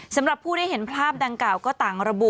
สำหรับผู้ได้เห็นภาพดังกล่าวก็ต่างระบุ